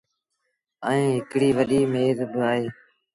ائيٚݩ هڪڙيٚ وڏيٚ ميز با اهي۔